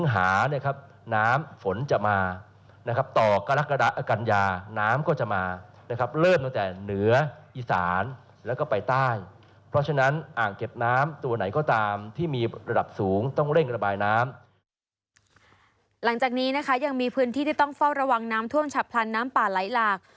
หลังจากนี้นะคะยังมีพื้นที่ที่ต้องเฝ้าระวังน้ำท่วมฉับพลันน้ำป่าไหลหลาก